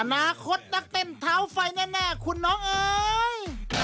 อนาคตนักเต้นเท้าไฟแน่คุณน้องเอ้ย